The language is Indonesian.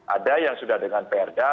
ada yang sudah dengan perda